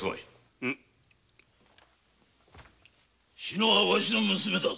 志乃はわしの娘だ。